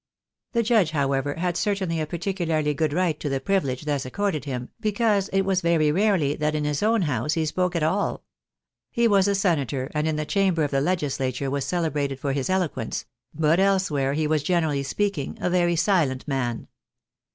The Judge, however, had certainly a particularly good right to the privilege thus accorded him, because it was very rarely that in his own house he spoke at all. He was a senator, and in the chamber of the legislature was celebrated for his eloquence ; but elsewhere, he was, generally speaking, a very silent man.